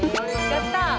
やったー！